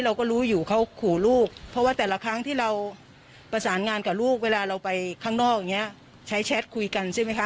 เอาไปข้างนอกอย่างนี้ใช้แชทคุยกันใช่ไหมคะ